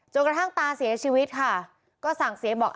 กระทั่งตาเสียชีวิตค่ะก็สั่งเสียบอก